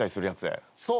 そう。